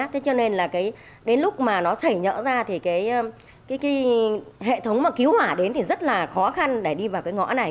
thế cho nên là cái đến lúc mà nó xảy nhỡ ra thì cái hệ thống mà cứu hỏa đến thì rất là khó khăn để đi vào cái ngõ này